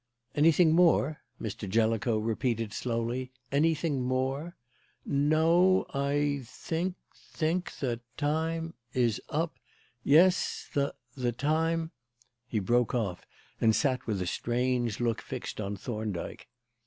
"Anything more?" Mr. Jellicoe repeated slowly; "anything more? No I think think the time is up. Yes the the time " He broke off and sat with a strange look fixed on Thorndyke.